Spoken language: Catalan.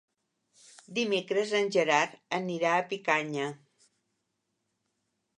Dimecres en Gerard anirà a Picanya.